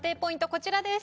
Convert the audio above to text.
こちらです。